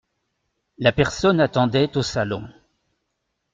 La personne attendait au salon.